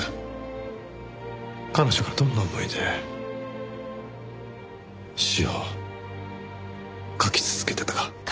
彼女がどんな思いで詩を書き続けていたか。